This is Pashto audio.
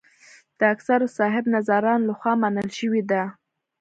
د اکثرو صاحب نظرانو له خوا منل شوې ده.